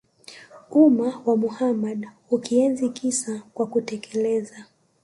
umma wa Muhammad Hukienzi kisa kwa kutekeleza